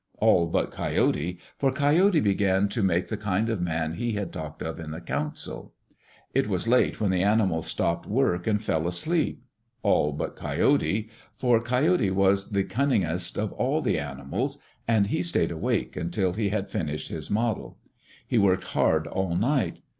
All but Coyote, for Coyote began to make the kind of man he had talked of in the council. It was late when the animals stopped work and fell asleep. All but Coyote, for Coyote was the cunningest of all the animals, and he stayed awake until he had finished his model. He worked hard all night.